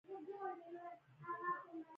د پاچاهانو واکونه یې محدود کړل.